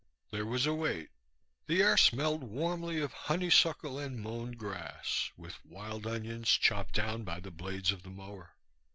There was a wait. The air smelled warmly of honeysuckle and mown grass, with wild onions chopped down by the blades of the mower.